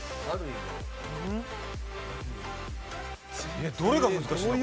えっどれが難しいんだ？